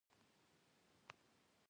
په سادهګۍ کښېنه، تکلف مه کوه.